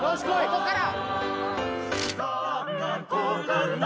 ・ここから！